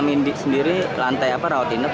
mbak itu lantai enam sendiri lantai apa rawat hinap